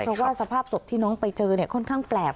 เพราะว่าสภาพศพที่น้องไปเจอเนี่ยค่อนข้างแปลก